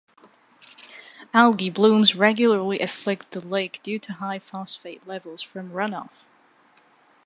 Algae blooms regularly afflict the lake due to high phosphate levels from runoff.